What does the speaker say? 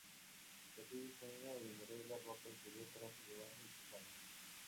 Caprice diseña y modela ropa interior, trajes de baño y pijamas.